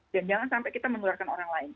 dan jangan sampai kita menularkan orang lain